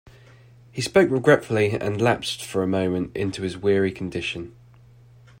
He spoke regretfully and lapsed for a moment into his weary condition.